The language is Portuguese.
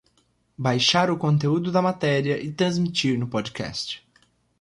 Baixar o conteúdo da matéria e transmitir no Podcast